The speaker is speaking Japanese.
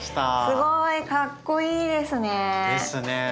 すごいかっこいいですね。ですね。